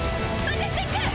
マジェスティック！